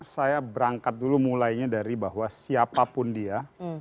saya berangkat dulu mulainya dari bahwa siapapun dia